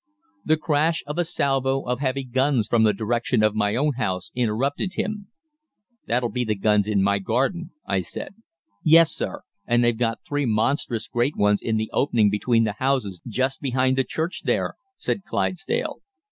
"The crash of a salvo of heavy guns from the direction of my own house interrupted him. "'That'll be the guns in my garden,' I said. "'Yes, sir, and they've got three monstrous great ones in the opening between the houses just behind the church there,' said Clydesdale.